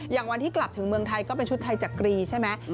อย่างวันที่กลับถึงเมืองไทยก็เป็นชุดไทยจักรีใช่ไหม